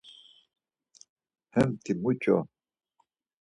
Hemti muç̌o.